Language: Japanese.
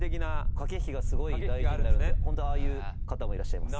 駆け引きがすごい大事になるのでホントああいう方もいらっしゃいます。